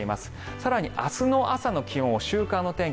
更に明日の朝の気温を週間の天気